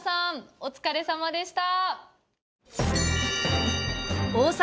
お疲れさまでした。